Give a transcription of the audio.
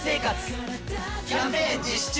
キャンペーン実施中！